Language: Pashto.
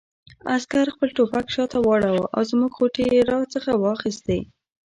عسکر خپل ټوپک شاته واړاوه او زموږ غوټې یې را څخه واخیستې.